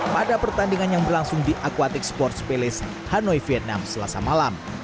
pada pertandingan yang berlangsung di aquatic sports palace hanoi vietnam selasa malam